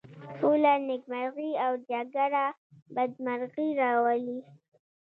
سوله نېکمرغي او جگړه بدمرغي راولي.